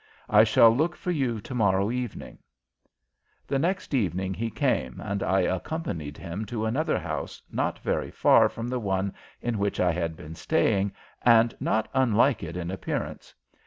I shall look for you to morrow evening." The next evening he came and I accompanied him to another house not very far from the one in which I had been staying and not unlike it in appearance.